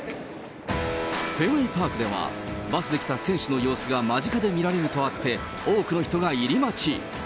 フェンウェイ・パークでは、バスで来た選手の様子が間近で見られるとあって、多くの人が入り待ち。